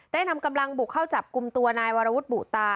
นำกำลังบุกเข้าจับกลุ่มตัวนายวรวุฒิบุตา